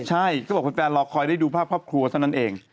ใช่ก็บอกว่าแฟนเราคอยได้ดูภาพครัวเท่านั้นเอง